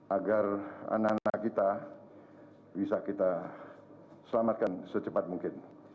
agar anak anak kita bisa kita selamatkan secepat mungkin